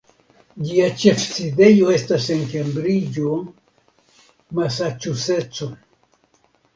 Ĝia ĉefsidejo estas en Kembriĝo (Masaĉuseco).